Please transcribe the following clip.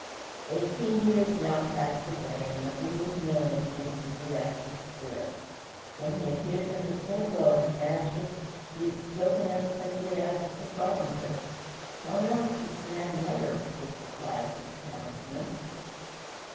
Eighteen years now passed away and nothing was known of the enthusiastic spirit. When he appears in the synagogue at Nazareth, he is spoken of simply as "the carpenter." "How knoweth this man letters?" was the cry of his townsmen.